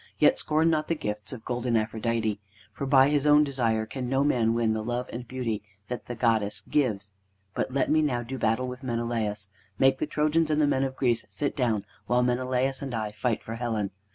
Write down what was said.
Yet scorn not the gifts of golden Aphrodite, for by his own desire can no man win the love and beauty that the goddess gives. But let me now do battle with Menelaus. Make the Trojans and the men of Greece sit down, while Menelaus and I fight for Helen.